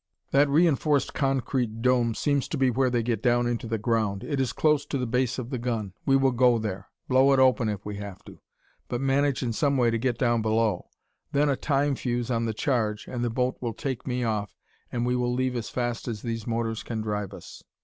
"That reinforced concrete dome seems to be where they get down into the ground; it is close to the base of the gun. We will go there blow it open if we have to but manage in some way to get down below. Then a time fuse on the charge, and the boat will take me off, and we will leave as fast as these motors can drive us."